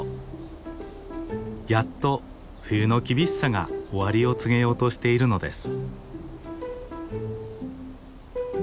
やっと冬の厳しさが終わりを告げようとしているのです。